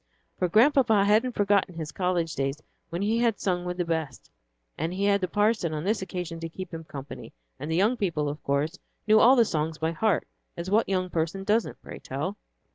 For Grandpapa hadn't forgotten his college days when he had sung with the best, and he had the parson on this occasion to keep him company, and the young people, of course, knew all the songs by heart, as what young person doesn't, pray tell!